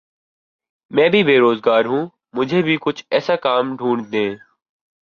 میں بھی بے روزگار ہوں مجھے بھی کچھ ایسا کام ڈھونڈ دیں